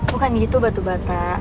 bukan gitu batu bata